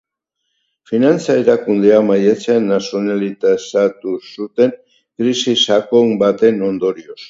Finantza erakundea maiatzean nazionalizatu zuten, krisi sakon baten ondorioz.